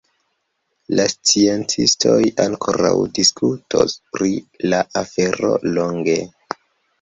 La sciencistoj ankoraŭ diskutos pri la afero longe.